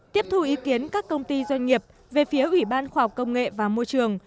tiếp thu ý kiến các công ty doanh nghiệp về phía ủy ban khoa học công nghệ và môi trường